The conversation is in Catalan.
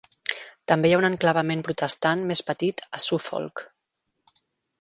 També hi ha un enclavament protestant més petit a Suffolk.